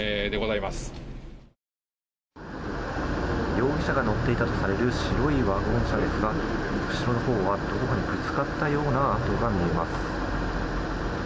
容疑者が乗っていたとされる白いワゴン車ですが後ろのほうはどこかにぶつかったような跡が見えます。